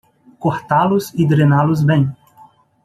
Cortá-los e drená-los bem.